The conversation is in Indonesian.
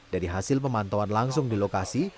dari hasil pemantauan langsung di lokasi